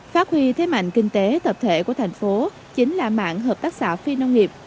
phát huy thế mạnh kinh tế tập thể của thành phố chính là mạng hợp tác xã phi nông nghiệp